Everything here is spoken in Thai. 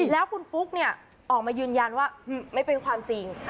แล้วคุณฟุ๊กเนี่ยออกมายืนยันว่าไม่เป็นความจริง